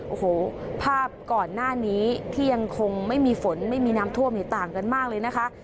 โอ้โหภาพก่อนหน้านี้ที่ยังคงไม่มีฝนไม่มีน้ำท่วมต่างกันมากเลยนะคะ